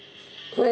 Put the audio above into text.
これ！